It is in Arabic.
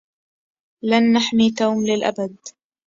لن نحمي توم للأبد.